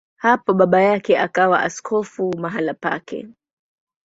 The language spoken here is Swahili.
Hapo baba yake akawa askofu mahali pake.